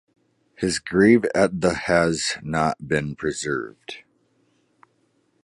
His grave at the has not been preserved.